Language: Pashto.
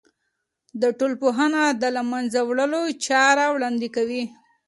د ټولنپوهنه د له منځه وړلو چاره وړاندې کوي.